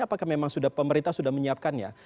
apakah memang pemerintah sudah menyiapkannya